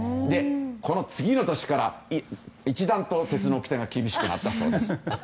この次の年から一段と鉄のおきてが厳しくなったそうです。